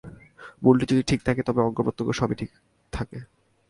মূলটি যদি ঠিক থাকে, তবে অঙ্গ-প্রত্যঙ্গ সবই ঠিক থাকে।